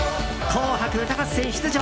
「紅白歌合戦」出場